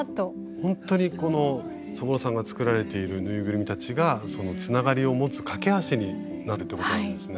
本当にこのそぼろさんが作られているぬいぐるみたちがつながりを持つ懸け橋になるってことなんですね。